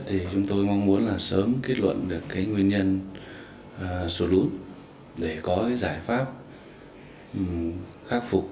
thì chúng tôi mong muốn là sớm kết luận được cái nguyên nhân sụt lún để có cái giải pháp khắc phục